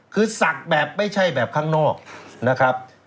คือศักดิ์แบบไม่ใช่แบบข้างนอกนะครับ